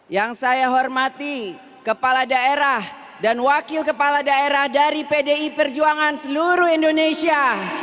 yang saya hormati kepala daerah dan wakil kepala daerah dari pdi perjuangan seluruh indonesia